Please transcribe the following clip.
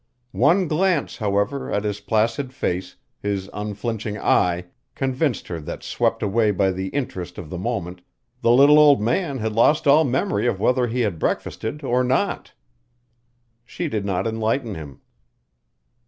One glance, however, at his placid face, his unflinching eye, convinced her that swept away by the interest of the moment the little old man had lost all memory of whether he had breakfasted or not. She did not enlighten him.